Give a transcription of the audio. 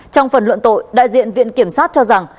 trong phần luận tội đại diện viện kiểm sát cho rằng